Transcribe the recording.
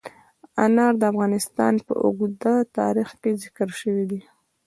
انار د افغانستان په اوږده تاریخ کې ذکر شوی دی.